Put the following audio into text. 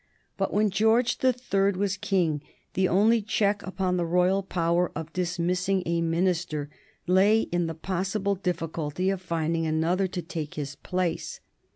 But when George the Third was king the only check upon the royal power of dismissing a minister lay in the possible difficulty of finding another to take his place.